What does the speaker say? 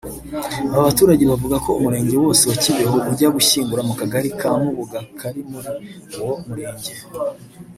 Aba baturage bavuga ko umurenge wose wa Kibeho ujya gushyingura mu Kagari ka Mubuga kari muri uwo murenge